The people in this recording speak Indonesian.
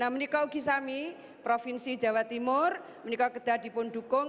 meniko ugi sami provinsi jawa timur meniko kedai dipun dukung